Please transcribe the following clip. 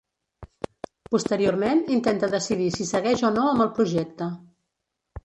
Posteriorment, intenta decidir si segueix o no amb el projecte.